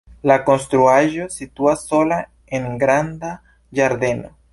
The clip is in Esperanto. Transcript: La konstruaĵo situas sola en granda ĝardeno.